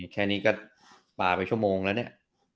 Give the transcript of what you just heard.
แค่นี้ก็ป่าไปชั่วโมงแล้วเนี่ย